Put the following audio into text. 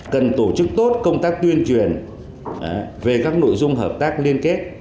cần tổ chức tốt công tác tuyên truyền về các nội dung hợp tác liên kết